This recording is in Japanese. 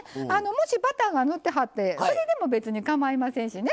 もしバターが塗ってはってそれでも別にかまいませんしね。